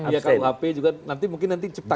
kalau hp juga nanti mungkin cepat